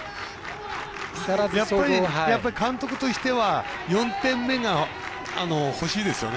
やっぱり監督としては４点目が欲しいですよね。